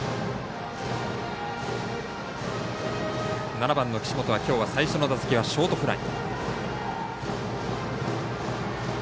７番の岸本はきょうは最初の打席はショートフライ。